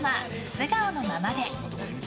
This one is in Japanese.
「素顔のままで」。